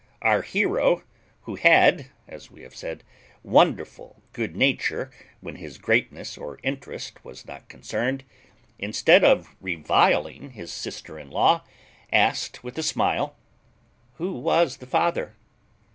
Our hero, who had (as we have said) wonderful good nature when his greatness or interest was not concerned, instead of reviling his sister in law, asked with a smile, "Who was the father?"